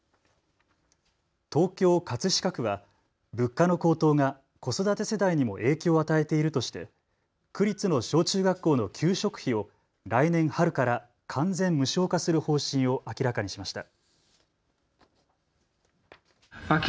東京葛飾区は物価の高騰が子育て世代にも影響を与えているとして区立の小中学校の給食費を来年春から完全無償化する方針を明らかにしました。